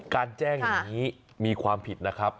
การแจ้งอย่างนี้มีความผิดนะครับ